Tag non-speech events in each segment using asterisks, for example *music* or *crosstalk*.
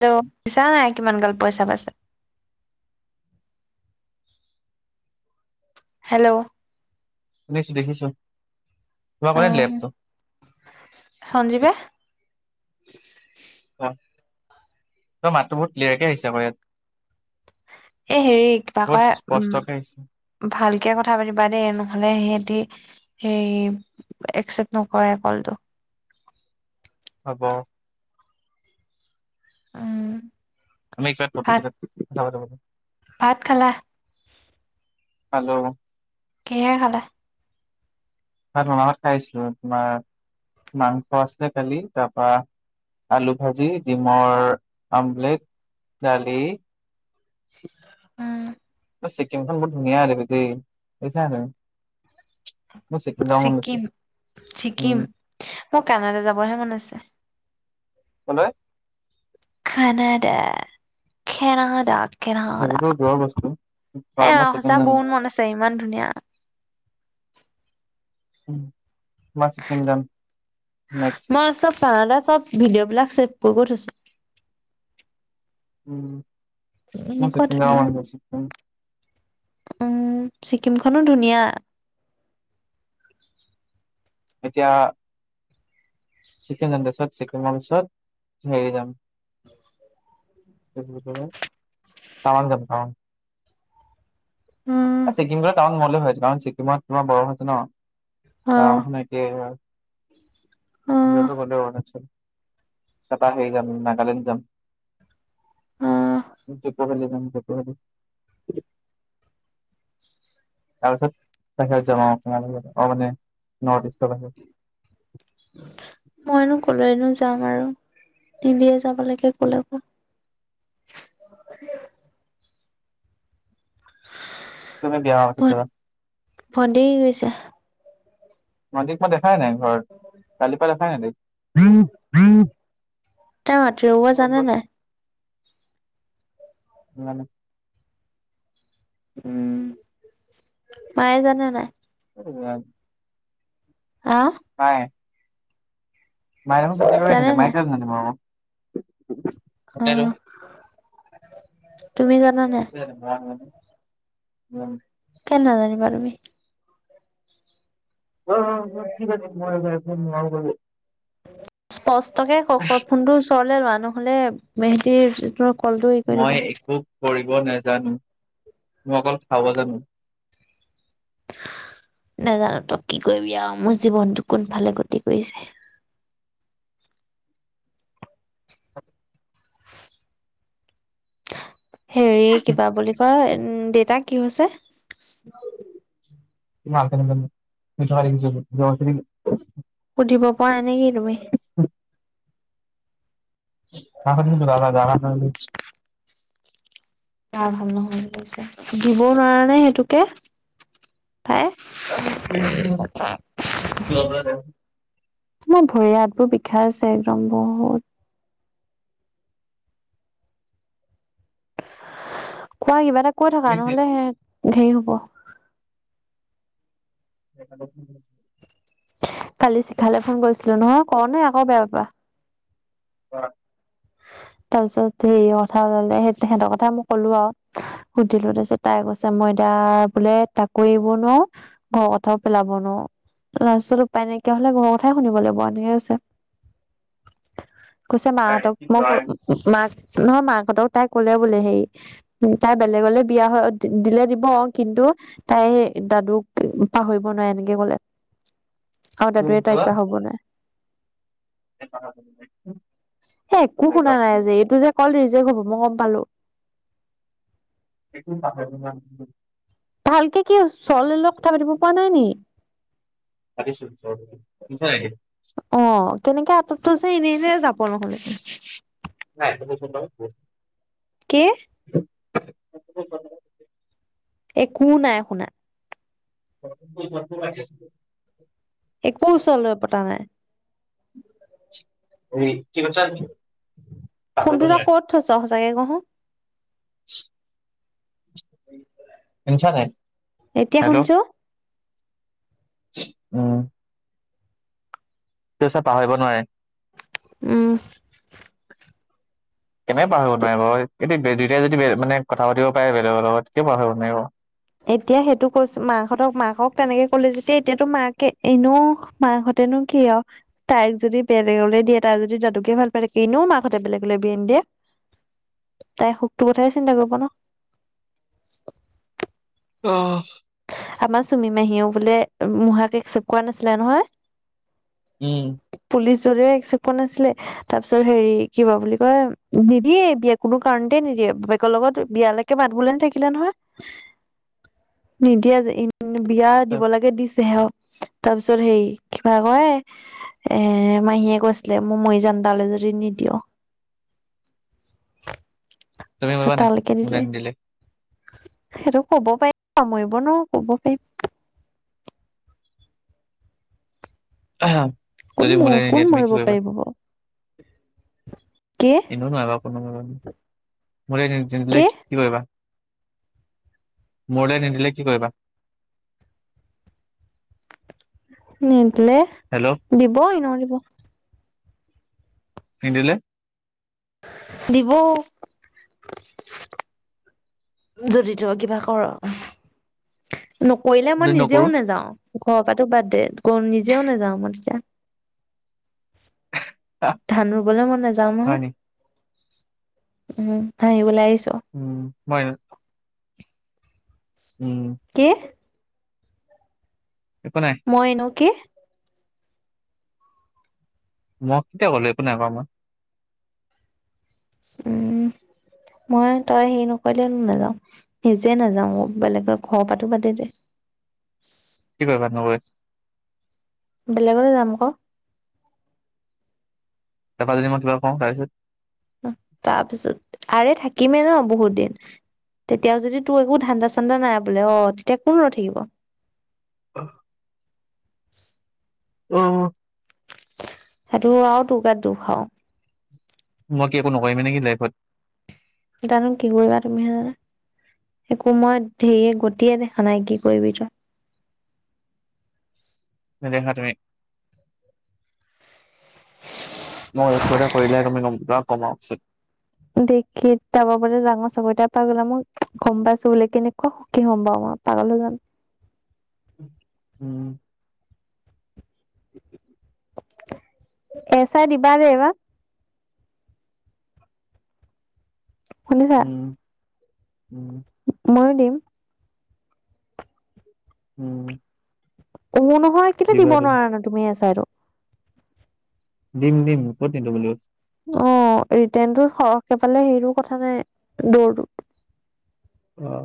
ত দিছা নাই কিমান গাল পইচা পাইছে? হেল্ল'। নেক্স দেখিছোঁ। অহ সঞ্জীৱে? অ', তই মাতটো বহুত ক্লিয়াৰকে আহিছে আকৌ ইয়াত। এ হেৰি কিবা বহুত কয় স্পষ্টকে আহিছে উম ভালকে কথা পাতিবা দেই নহ'লে সিহঁতি হে একচেপ্ট নকৰে কলটো। হ'ব। উম। আমি ভাত *unintelligible* যাব যাব। ভাত খালা? খালো। কিহেৰে খালা? ভাত ম ভাত খাইছিলো তোমাৰ মাংস আছিলে খালি তাৰপা আলু ভাজি ডিমৰ আমলেট দালি উম। ছিকিমখন বহুত ধুনীয়া আৰু বি দে গৈছানে তুমি। ছিকিম উম ছিকিম মোৰ কানাডা যাবহে মন আছে। কলৈ? খনদা খেনাদা। কানাডা সেইবোৰতো দূৰৰ বস্তু বা এ মই ছিকিম সঁচা যাম বহুত মন আছে ইমান ধুনীয়া। *inaudible* মই ছিকিম যাম নেক্স। মই চব কানাডা চব ভিডিঅ' বিলাক ছেভ কৰি গৈ থৈছো। উম, মই এনেকুৱা ছিকিম যাব ধুনীয়া মন গৈছে উম। উম, ছিকিমখনো ধুনীয়া। এতিয়া চিকেন যাম দে চিকেন পাছত হেৰি যাম। টাৱান যাম টাৱান। উম ছিকিম গলে টাৱাং নগলে হয় কাৰণ ছিকিমত তাৰ বৰফ আছে ন। অহ, অ', *unintelligible* অ', *unintelligible* তাৰ পা হেৰি যাম নাগালেণ্ড যাম। অ', দিপৰভেলী যাম, দিপৰভেলী। তাৰপিছত *unintelligible* নৰ ইষ্টৰ *unintelligible* *unintelligible* মইনো কলৈনো যাম আৰু দিদিয়ে যাব লকে কলেব। *unintelligible* তুমি বিয়া হোৱাৰ পাছত যাবা *unintelligible* গৈছে। নজিক মই দেখাই নাই ঘৰত, কালি পৰা দেখাই নাই দেখোন তাই মাটি ৰুব জানে নাই? ন *unintelligible* উম মায়ে জানে নাই। উ *unintelligible* অ',। কাই। মাই জানে নাই? *unintelligible* অ', তুমি জানা নাই? উ *unintelligible* কেলে নাজানিবা তুমি। অহ, *unintelligible* নোৱাৰো বাবে। স্পষ্টকে কওঁক ফোনটোৰ ওচৰলে লোৱা নহ'লে মেহেতিৰ মই একো কৰিব নাজানোঁ, মই অকল খাব জানোঁ। *unintelligible* নাজানোতো কি কৰিবি আৰু মোৰ জীৱনটো কোনফালে গতি কৰিছে। হেৰি কিবা বুলি কয়, দেউতাৰ কি হৈছে? মই *unintelligible* নাজানোঁ, শুই থকা দেখিছোঁ জৰ হৈছে নেকি। সুধিব পৰা নেকি তুমি। *unintelligible* গা ভাল নহয় বুলি কৈছে। দিবওঁ নোৱাৰানে সেইটোকে। ঠে *unintelligible* তোমাৰ ভৰি হাতবোৰ বিষাই আছে একদম বহুত। কোৱা কিবা এটা কৈ থকা, নহ'লে হেৰি হ'ব। *unintelligible* কালি শিখালে ফোন কৰিছিলোঁ নহয় কওঁ নে আকৌ বেয়া পাবা। কোৱা। তাৰপিছত হেৰিৰ কথা ক'লে, সেহেঁত সেহঁতৰ কথা মই ক'লো আৰু। সুধিলোঁ, তাৰপিছত তাই কৈছে মই মই এতিয়া বোলে, তাকো এৰিব নোৱাৰোঁ ঘৰৰ কথাওঁ পেলাব নোৱাৰোঁ। লাষ্টত উপায় নাইকিয়া হ'লে ঘৰৰ কথাই শুনিব লাগিব, এনেকে‌ কৈছে। কৈছে মাহঁতক মই ক মাক নহয়, মাহঁতক তাই ক'লে বোলে হেৰি, তাই বেলেগলে বিয়া হয়, দিলে দিব হ'ব কিন্তু তাই দাদুক পাহৰিব নোৱাৰে, এনেকে ক'লে। আৰু দাদুৱে তাইক পাহৰিব নোৱাৰে। এ একো *unintelligible* শুনা নাই যে, এইটো যে কল ৰিজেক্ হ'ব মই গম পালোঁ। তাইকো পাহৰিব নোৱাৰে সেইটো। ভালকে কি চলিলত কথা পাতিব পৰা নাই নেকি। পাতিছোঁ চলিলত শুনিছেনে নাই এইটো। তেনেকে আততটো যে এনেই এনেই যাব নহ'লে। নাই কৈওঁচোন তই কওঁ। কি? *unintelligible* একো নাই শুনা। ফোনটো ওচৰতটো ৰাখি আছিলোঁ। একো ওচৰত লৈ পতা নাই। এই কি কৈছা। ফোনটো তই ক'ত থৈছা সঁচাকে কওঁচোন। *unintelligible* শুনিছানে নাই, এতিয়া হেল্ল'। শুনিছো *unintelligible* উম। কি কৈছা, পাহৰিব নোৱাৰে। উম *inaudible* কেনেকে পাহৰিৱা নোৱাৰিব, এ দুটাই যদি মানে কথা পাতিব পাৰে বেলেগৰ লগত কিয় পাৰাহৰিব নোৱাৰিব। এতিয়া সেইটো কৈছো, মাহঁতক মাকক তেনেকে ক'লে যেতিয়া এতিয়াতো মাকে এনেও মকহত তেনো কি আৰু তাইক যদি বেলেগলৈ দিয়ে তাইক যদি দাদুকে ভাল পায় থাকে, এনেও মাকহঁতে বেলেগলৈ বিয়া নিদিয়ে। তাইৰ সুখটো কথায়ে চিন্তা কৰিব ন। অহ। আমাৰ চুমি মাহীয়েও বোলে মোহাক একচেপ্ট কৰা নাছিলে নহয়। উম। প একপ আছিলে তাৰ পিছত হেৰি কি বা বুলি কয় নিদিয়ে বিয়া কোনো কাৰণতে নিদিয়ে বাপেকৰ লগত বিয়ালৈকে বাত বোলে নে থাকিলে নহয়। নিদিয়া যে বিয়া দিব লাগে দিছেহে তাৰ পিছত হেৰি কিবা কয় এ মাহীয়ে কৈছিলে মোৰ মই যান তালৈ য যদি নিদিয়ে। তুমি মাৰিবা নাই ছোতালকে মোলে দিলে। নিদিলে সেইটো কব পাৰিম, সামৰিব ন কব পাৰিম। আহ। কোন ম কোন মৰিব পাৰিব বাৰু। কে এো নহয় বাৰ, কোনো মিল কে কি কৰিবা? মোৰলৈ নিদিলে কি কৰিবা? *inaudible* নিদিলে, হেল্ল' দিব এনেও দিব। নিদিলে? দিব। যদি তই কিবা কৰ, নকৰিলে মই যদি নকৰো নিজেও নেযাও। ঘৰৰ পৰাো বাদ দে, নিজেও নাযাওঁ মই তেতিয়া। আহ, ধান ৰুবলৈ মই নাযাওঁ ন, হয় নি উম হাহিবলৈ আহিছ। উম হয় ন। উম। কি একো নাই মই এনো কি মই কেতিয়া ক'লো এক কোনে উম। মই তই হেৰি নকৰিলে নাযাও, নিজে নাযাও বেলেগৰ ঘৰৰ পাতো বাদে দে। *inaudible* কি নব? *unintelligible* বেলেগলৈ যাম আকৌ। তাৰপা যদি মই কিবা কওঁ তাৰপিছত? তাৰপিছত আৰে থাকিমে ন বহুত দিন। তেতিয়াও যদি তোৰ একো ধান্দা চান্দা নাই বোলে অ' তেতিয়া কোন ৰই থাকিব? অ'। উম। সেইটো আৰু তোৰগাত দুখ আৰু। মই কি একো নকৰিমি নেকি লাইফত? জানো কি কৰিবা তুমিহে জানা। একো মই ধেৰিয়ে গতিয়ে দেখা নাই কি কৰিবি তই। *unintelligible* মইতে কৰিলে তুমি কমা উচিত। দেখি যাব বোলে ডাঙৰ চাকৰিটাৰ পাই গলে, মই গম পাইছো বোলে কেনেকুৱা সুখী হম পাওঁ মই। অ' পাগাল হৈ যাম। উম। এছা ডিবা দে বা শুনিছা উম উম। মই দিম। উম। অমু নহয় কিন্ত দিবা দিব তুমি নোৱাৰা নো তুমিয়ে চাইটো? দিম দিম ক'ত দিমটো। অ' ৰিটাৰণটো সৰহকৈ পালে সেইটো কথা নাই দৌৰ অ'।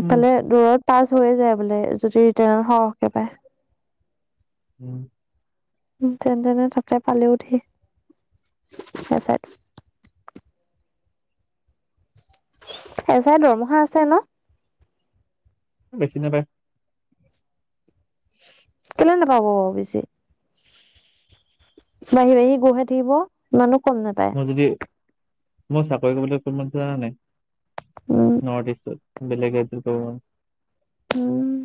উম দূৰত পাছ হৈয়ে যায় বোলে, যদি ৰিটাৰ্ণ সৰহকে পায় উম। উ, যেনেতেনে থাকা পালেও দি চাই হেচাৰ দৰমহা আছে ন'? বেছি নেদেই। কেলে নাপাব বেছি? বাঢ়ি বাঢ়ি গৈ থাকিব, মানুহ গম নাপায়। মই চাকৰি কৰিবলৈ অকনমান পোৰা নাই উম নৰ্থ ইষ্টত। বেলেগ *unintelligible* উম।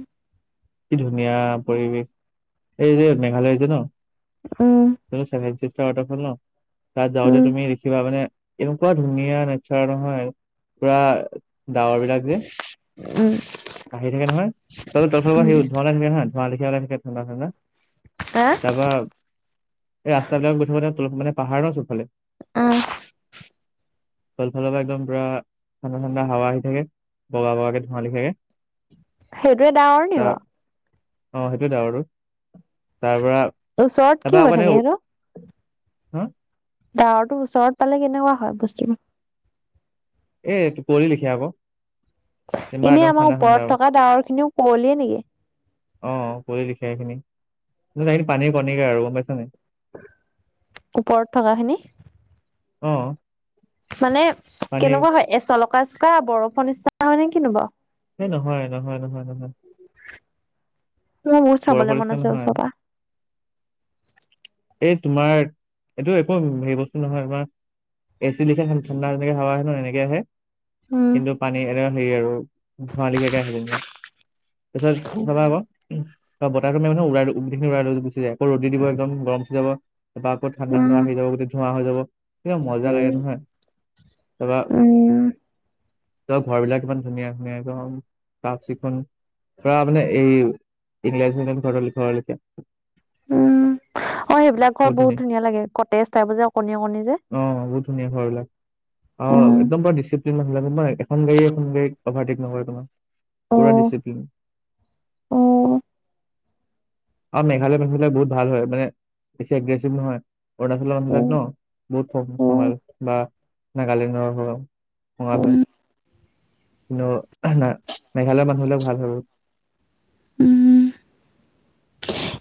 কি ধুনীয়া পৰিৱেশ এই যে মেঘালয় যে ন'? উম এই ছেভেন চিষ্টাৰ ৱাটাৰফল ন'? তাত যাওঁতে উম তুমি দেখিবা মানে এনেকুৱা ধুনীয়া নেচাৰ নহয় পুৰা ডাৱৰবিলাক যে উম। আহি থাকে নহয়, ত' তৰ পৰা উম সি ধোঁৱ লাখিবা হা, ধোৱা লাখিবে ঠাডা ঠাণ্ডা হা তাৰপা এই ৰাস্তাবিলাক গৈঠিবতে মানে পাহাৰৰ চবফালে উম *inaudible* তলফালৰ পৰা একদম পুৰা ঠাণ্ডা ঠাণ্ডা হাৱা আহি থাকে, বগা বগাকে ধোঁৱালি থাকে। সেইটোৱে ডাৱৰ নি বাৰু? অ' সেইটোৱে ডাৱৰ আৰু। তাৰপৰা ওচৰত কি এটা হৈ মানে থাকে সেইটো হা ডাৱৰটো ওচৰত পালে কেনেকুৱা হয় বস্তুবোৰ? এই টোপুৰি লিখিয়া আকৌ। যেনিবা এনে একদম আমাৰ ঠাণ্ডা ঠাণ্ডা ওপৰত আৰু থকা ডাৱৰখিনিও কুঁৱলিয়ে নেকি? অ' কুঁৱলীলিখিয়া এইখিনি, সেইখিনি পানীৰ কণীকা আৰু গম পাইছা নাই? ওপৰত থকাখিনি? অ'। মানে পানীৰ কেনেকুৱা হয় এ, চলকা চকা বৰফুৰ নিচিনা হয় নে কিনো বাৰু? এই নহয় নহয় নহয় নহয়। মোৰ বহুত চাবলৈ বৰফৰ মন নিচিনা আছে ওচৰৰ পৰা নহয়। এই তোমাৰ এইটো একো হেৰি বস্তু নহয় তোমাৰ এ চি কেইটা ঠাণ্ডা তেনেকে হাৱা আহ ন' এনেকে আহে। উম কিন্তু পানী এনে হেৰি আৰু ধোঁৱালিখিয়াকে আহে যেনিবা। এতিয়া যাবা আকৌ। বা বতাহখিনিও মানে উলাই উখি উৰাই গুচি যায় আকৌ ৰ'দ দিব একদম গৰম উঠি যাব। তাৰ ওপৰত ঠাণ্ডা উম ঠাণ্ডা আহি যাব বুলি ধোৱা হৈ যাব, সেই মজা লাগে নহয়। উম। তই ঘৰ বিলাক কিমান ধুনীয়া ধুনীয়া, একদম চাফ চিকুণ। পা বুলে এই ইংলেজ চেনলেজ ঘৰৰ লেখীয়া। উম অ' সেইবিলাক ঘৰ বহুত ধুনীয়া লাগে কতেজ ঠাইবোৰ যে অকণী অকণনি যে। বহুত ধুনীয়া ঘৰবিলাক অ' উম একদম পোৰা ডিচিপ্লিন নহলে এখন গাড়ীয়ে এখন গাড়ীক অভাৰটেক নকৰে তোমাক। অ পোৰা ডিচিপ্লিন। অ আৰু মেঘালয়ৰ মানুহবিলাক বহুত ভাল হয় মানে বেছি এগ্ৰেছিভ নহয়। অৰুণাচলৰ মানুহবিলাক উম ন' উম বহুত বা নাগালেণ্ডৰ ধৰক ধোৱা উম হয়। কিন্তু না মেঘালয়ৰ মানুহবিলাক ভাল হয় আৰু। উম।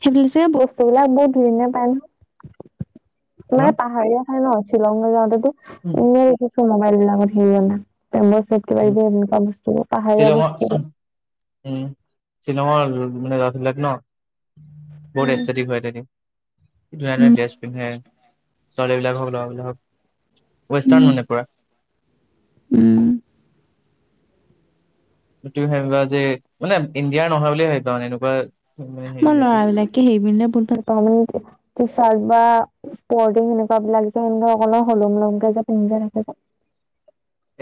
সেইটো যে বস্তুবিলাক বহুত ধুইনীয়া পায় ন'। হা মানে পাহাৰীয়া থাই ন' শ্বিলংলে যাওঁতেতো উম এনে কিছু মোবাইল বিলাক'ত হেৰি ৰন্ধা পেম ভইচত কিবা উম এইবোৰ এনেকুৱা বস্তুবোৰ পাহাৰীয়া শ্বিলঙৰ বস্তু থাকে। উম শ্বিলঙৰ মানে ৰাছবিলাক ন' বহুত উম এষ্টেটিক হয় তাতে। ধুনীয়া উম ধুনীয়া ড্ৰেছ পিন্ধে। ছোৱালী বিলাক হওক লৰাবিলাক হওক। উম ৱেষ্টাৰ্ণ মানে পুৰা। উম তুমি ভাবিবা যে মানে ইণ্ডিয়াৰ নহয় বুলিয়ে ভাবিবা এনেকুৱা মানে হেৰি মই হেতি ল'ৰা বিলাকে সেই পিন্ধলে বহুত ভাল পাওঁ। *inaudible* ছাৰ্ট বা ইছপৰ্তিং সেনেকুৱা বিলাক যে *unintelligible* হলম লমকে যে পিন্ধে থাকে। *unintelligible*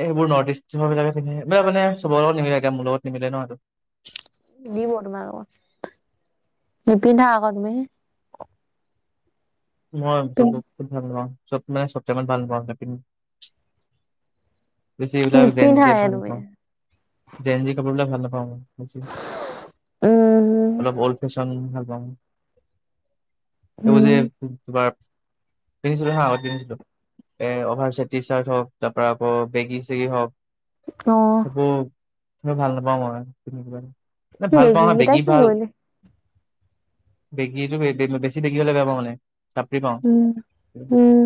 এইবোৰ নৰ্থ ইষ্টৰ বিলাকে পিন্ধে। *unintelligible* মানে চবৰে লগত নিমিলে এতিয়া মোৰ লগত নিমিলে ন' সেটো। দিব তোমাক আকৌ। নিপিন্ধা আকৌ তুমি। মই চব বস্তু ভাল নাপাওঁ। চব মানে চব টাইমত ভাল পাওঁ নিপিন বেছি এইবিলাক জেন জেট নিপিন্ধায়ে ভাল তুমি পাওঁ। জেনজি কাপোৰ বিলাক ভাল নাপাওঁ মই। *unintelligible* উম অলপ অল্ড ফেশ্বন ভাল পাওঁ মই। এইবোৰ যে উম *inaudible* পিন্ধিছিলোঁ হা আগত পিন্ধিছিলোঁ। এ, অভাৰ চেত তিছাৰ্ত হওঁক তাৰ পা আকৌ বেগি চেগি হওঁক অহ। মই ভাল নাপাওঁ মই। এ, ভাল পাওঁ হা কেইটা বেগী কি ভাল। কৰিলি বেগীটো বে-বে-বেছি বেগী হ'লে বেয়া পাওঁ মানে। চাপৰি পাওঁ উম, উম।